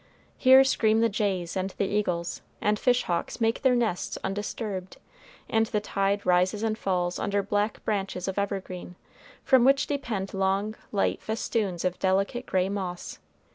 Here scream the jays and the eagles, and fish hawks make their nests undisturbed; and the tide rises and falls under black branches of evergreen, from which depend long, light festoons of delicate gray moss.